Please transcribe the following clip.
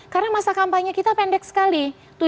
karena masa kampanye kita pendek sekali